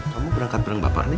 kamu berangkat bareng bapak nek